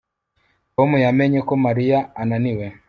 Tom yamenye ko Mariya ananiwe